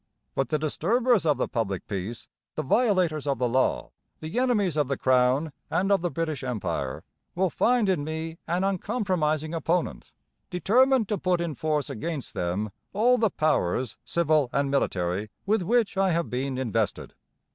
but the disturbers of the public peace, the violators of the law, the enemies of the Crown and of the British Empire will find in me an uncompromising opponent, determined to put in force against them all the powers civil and military with which I have been invested.'